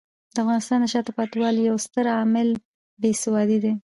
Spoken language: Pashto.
د افغانستان د شاته پاتې والي یو ستر عامل بې سوادي دی.